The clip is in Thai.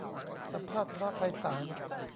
สัมภาษณ์ พระไพศาล